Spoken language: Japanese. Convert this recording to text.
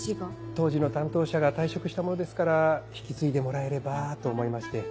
当時の担当者が退職したものですから引き継いでもらえればと思いまして。